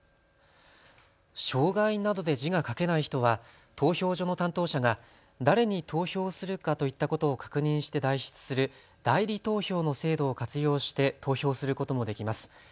障害などで字が書けない人は投票所の担当者が誰に投票するかといったことを確認して代筆する代理投票の制度を活用して投票することもできます。